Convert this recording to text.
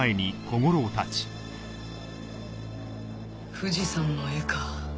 富士山の絵か